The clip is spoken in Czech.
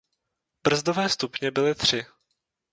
Brzdové stupně byly tři.